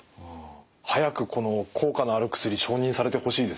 早くこの効果のある薬承認されてほしいですね。